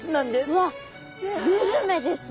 うわっグルメですね。